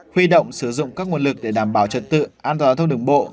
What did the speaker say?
huy động sử dụng các nguồn lực để đảm bảo trật tự an toàn giao thông đường bộ